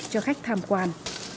cho khách tham quan